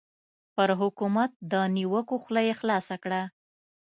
پر حکومت د نیوکو خوله یې خلاصه کړه.